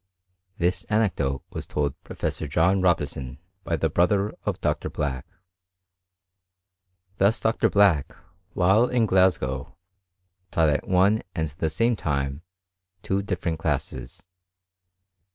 This anecdote was told Professor Jd bison by the brother of Dr. Black. Thus Dr. Black, while in Glasgow, taught ( and the same time two different classes.